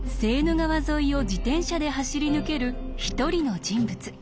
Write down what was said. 川沿いを自転車で走り抜ける一人の人物。